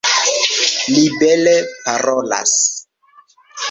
Li bele parolas.